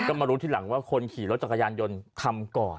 ก็มารู้ทีหลังว่าคนขี่รถจักรยานยนต์ทำก่อน